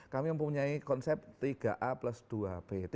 kami mempunyai konsep tiga a plus dua b itu